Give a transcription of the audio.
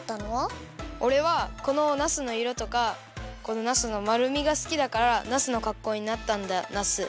おれはこのナスのいろとかこのナスのまるみがすきだからナスのかっこうになったんだナス。